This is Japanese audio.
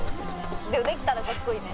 でもできたらかっこいいね。